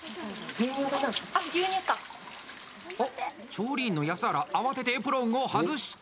あっ、調理員の安原慌ててエプロンを外した！